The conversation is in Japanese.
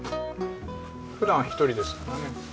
普段は１人ですからね